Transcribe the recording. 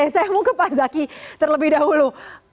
saya mau ke pak zaky terlebih dahulu